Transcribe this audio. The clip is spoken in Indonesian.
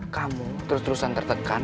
kamu terus terusan tertekan